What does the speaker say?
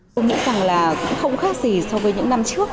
tôi nghĩ rằng là cũng không khác gì so với những năm trước